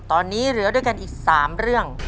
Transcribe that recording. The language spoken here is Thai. ตอนนี้เหลือด้วยกันอีก๓เรื่อง